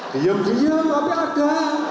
diam diam tapi ada